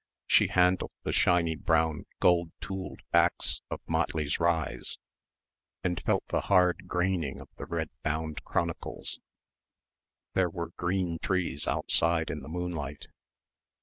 She handled the shiny brown gold tooled back of Motley's Rise and felt the hard graining of the red bound Chronicles.... There were green trees outside in the moonlight